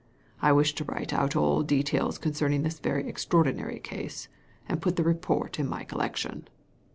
I wish to write out all details concern ing this very extraordinary case, and put the report in my collection."